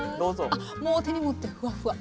あっもう手に持ってふわふわ。